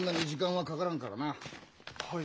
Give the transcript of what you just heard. はい。